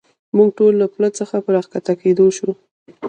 موږ ټول له پله څخه په را کښته کېدو شو.